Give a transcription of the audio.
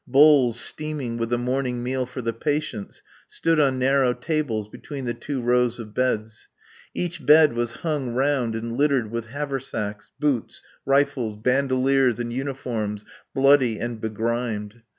Bowls steaming with the morning meal for the patients stood on narrow tables between the two rows of beds. Each bed was hung round and littered with haversacks, boots, rifles, bandoliers and uniforms bloody and begrimed.